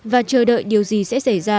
và chờ đợi điều gì sẽ xảy ra